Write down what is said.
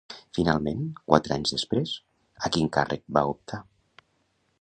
Finalment, quatre anys després, a quin càrrec va optar?